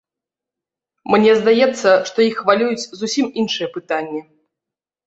Мне здаецца, што іх хвалююць зусім іншыя пытанні.